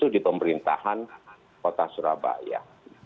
di pemerintahan kota surabaya